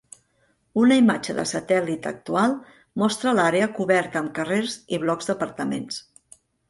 Una imatge de satèl·lit actual mostra l'àrea coberta amb carrers i blocs d'apartaments.